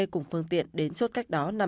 cùng phương tiện đến chốt cách đó